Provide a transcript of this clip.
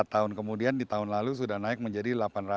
empat tahun kemudian di tahun lalu sudah naik menjadi delapan ratus